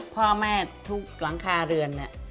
พ่อแม่ทุกหลังคาเรือน